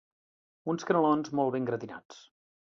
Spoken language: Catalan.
Uns canelons molt ben gratinats.